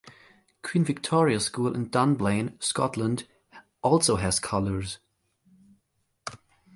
Queen Victoria School in Dunblane, Scotland, also has Colours.